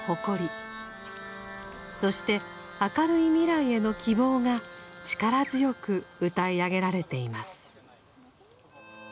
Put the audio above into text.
そして明るい未来への希望が力強く歌い上げられています。